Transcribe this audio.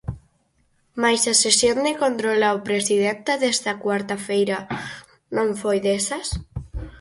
Mais a sesión de control ao presidente desta cuarta feira non foi desas.